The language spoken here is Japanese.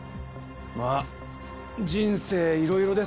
まあ人生いろいろですからねえ。